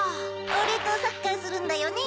おれとサッカーするんだよね？